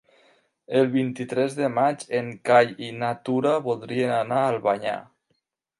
El vint-i-tres de maig en Cai i na Tura voldrien anar a Albanyà.